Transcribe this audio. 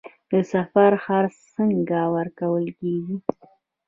د سفر خرڅ څنګه ورکول کیږي؟